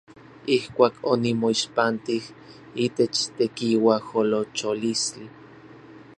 Ijkuak onimoixpantij itech tekiuajolocholistli.